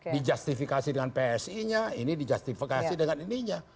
dijastifikasi dengan psi nya ini dijastifikasi dengan ininya